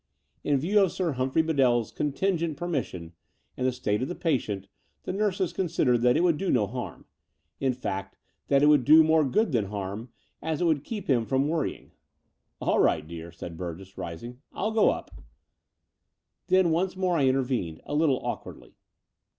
In view of Sir Humphrey Bedeirs contingent permission and the state of the patient, the nurses considered that it would do no harm — in fact, that it would do more good than harm, as it would keep him from worrying. "Allright, dear," said Burgess, rising, nigoup." Then once more I intervened, a little awkwardly.